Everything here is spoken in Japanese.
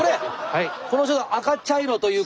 はい。